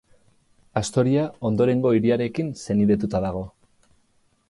Astoria ondorengo hiriarekin senidetuta dago.